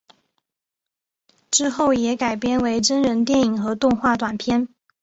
之后也改编为真人电影和动画短片。